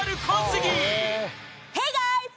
ヘイガイズ。